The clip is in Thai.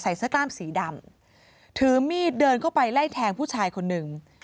เสื้อกล้ามสีดำถือมีดเดินเข้าไปไล่แทงผู้ชายคนหนึ่ง